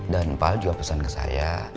dan pak al juga pesan ke saya